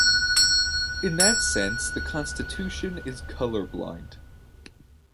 In that sense the Constitution is color blind.